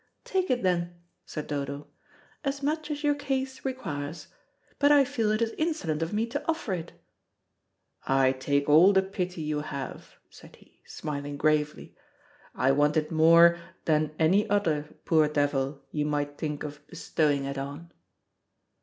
"Take it then," said Dodo; "as much as your case requires. But I feel it is insolent of me to offer it." "I take all the pity you have," said he, smiling gravely. "I want it more than any other poor devil you might think of bestowing it on."